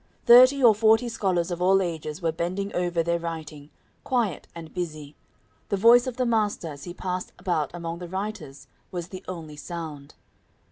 Thirty or forty scholars of all ages were bending over their writing, quiet and busy; the voice of the master, as he passed about among the writers, was the only sound.